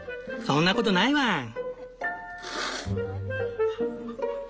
そんなことないワン！